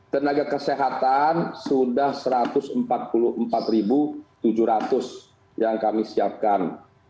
tenaga kesehatan sudah satu ratus empat puluh empat tujuh ratus yang kami siapkan